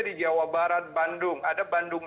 di jawa barat bandung ada bandung